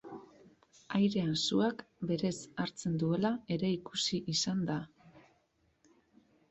Airean suak berez hartzen duela ere ikusi izan da.